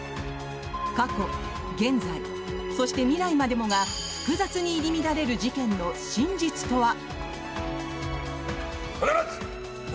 過去、現在そして未来までもが複雑に入り乱れる事件の真実とは？